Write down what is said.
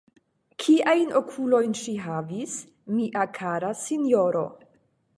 Kiajn okulojn ŝi havis, mia kara sinjoro!